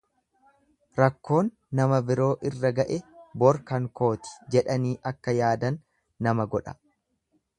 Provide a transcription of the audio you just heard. Rakkoon nama biroo irra ga'e bor kan kooti jedhanii akka yaadan nama godha.